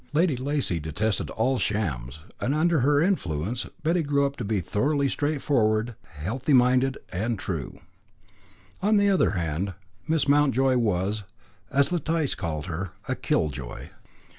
Lady Lacy detested all shams, and under her influence Betty grew up to be thoroughly straightforward, healthy minded, and true. On the other hand, Miss Mountjoy was, as Letice called her, a Killjoy.